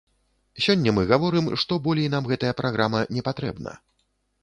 Сёння мы гаворым, што болей нам гэтая праграма не патрэбна.